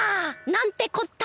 なんてこった！